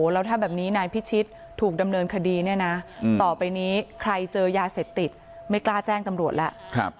แล้วถ้าแบบนี้นายพิชิตถูกดำเนินคดีเนี่ยนะต่อไปนี้ใครเจอยาเสพติดไม่กล้าแจ้งตำรวจแล้ว